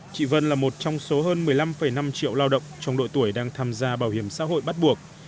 chị vân là một trong số hơn một mươi năm năm triệu lao động trong đội tuổi đang tham gia bảo hiểm xã hội bắt buộc